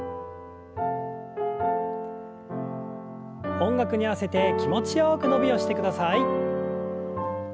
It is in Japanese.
音楽に合わせて気持ちよく伸びをしてください。